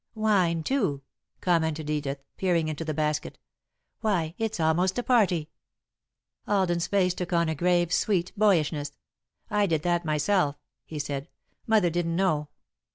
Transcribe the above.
"Wine, too," commented Edith, peering into the basket. "Why, it's almost a party!" Alden's face took on a grave, sweet boyishness. "I did that myself," he said. "Mother didn't know.